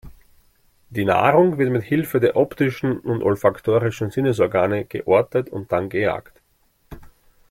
Die Nahrung wird mit Hilfe der optischen und olfaktorischen Sinnesorgane geortet und dann gejagt.